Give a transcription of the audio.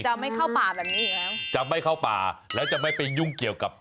ไม่เข้าป่าแบบนี้อีกแล้วจะไม่เข้าป่าแล้วจะไม่ไปยุ่งเกี่ยวกับ